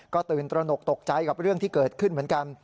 ก็ตื่นตระหนกตกใจกับเรื่องที่เกิดขึ้นเหมือนกัน